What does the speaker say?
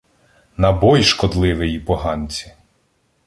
На бой, шкодливиї поганці!